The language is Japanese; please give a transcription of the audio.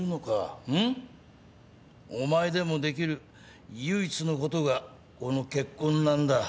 お前でもできる唯一のことがこの結婚なんだ。